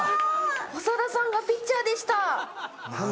長田さんがピッチャーでした。